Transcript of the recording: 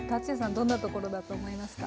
どんなところだと思いますか？